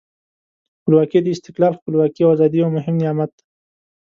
خپلواکي د استقلال، خپلواکي او آزادۍ یو مهم نعمت دی.